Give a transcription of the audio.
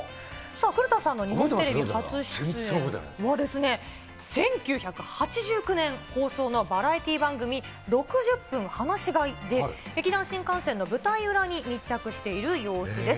古田さんの日本テレビ初出演はですね、１９８９年放送のバラエティー番組、６０分放し飼いで、劇団☆新感線の舞台裏に密着している様子です。